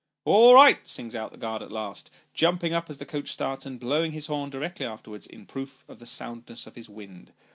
" All right," sings out the guard at last, jumping up as the coach starts, and blowing his horn directly afterwards, in proof of the soundness of his wind.